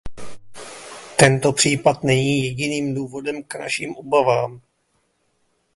Tento případ není jediným důvodem k našim obavám.